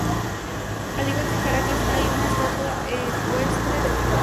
Al igual que en Caracas hay una estatua ecuestre de Bolívar.